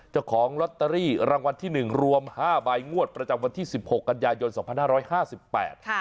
เจ้าของลอตเตอรี่รางวัลที่หนึ่งรวมห้าใบงวดประจำวันที่สิบหกกันยายนสองพันห้าร้อยห้าสิบแปดค่ะ